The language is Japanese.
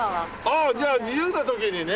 ああじゃあ自由な時にね。